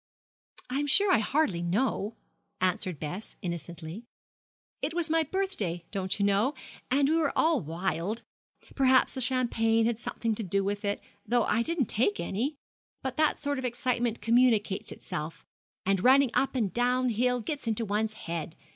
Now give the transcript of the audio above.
'I am sure I hardly know,' answered Bess, innocently. 'It was my birthday, don't you know, and we were all wild. Perhaps the champagne had something to do with it, though I didn't take any. But that sort of excitement communicates itself; and running up and down hill gets into one's head.